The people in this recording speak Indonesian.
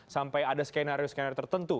sampai ada skenario skenario tertentu